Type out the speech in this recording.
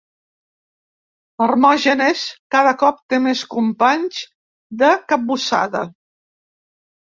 L'Hermògenes cada cop té més companys de capbussada.